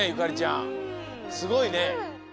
すごいね！